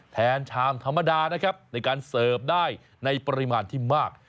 ชามธรรมดานะครับในการเสิร์ฟได้ในปริมาณที่มาก